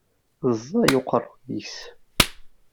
Ẓẓay uqerruy-is.